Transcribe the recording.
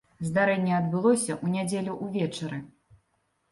Здарэнне адбылося ў нядзелю ўвечары.